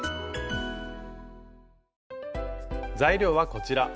材料はこちら。